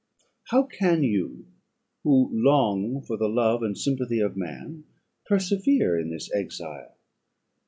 How can you, who long for the love and sympathy of man, persevere in this exile?